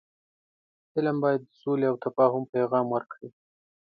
فلم باید د سولې او تفاهم پیغام ورکړي